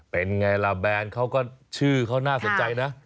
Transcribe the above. เป็นไงล่ะแบรนด์เขาก็ชื่อเขาน่าสนใจนะ